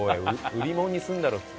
売り物にするだろ普通。